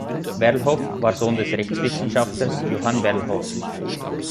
Werlhof war Sohn des Rechtswissenschaftlers Johann Werlhof.